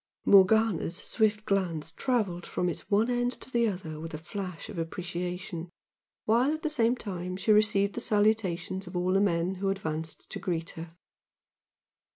Morgana's swift glance travelled from its one end to the other with a flash of appreciation, while at the same time she received the salutations of all the men who advanced to greet her.